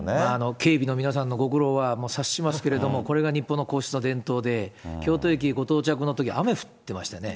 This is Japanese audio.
警備の皆さんのご苦労は察しますけれども、これが日本の皇室の伝統で、京都駅ご到着のとき、雨降ってましたよね。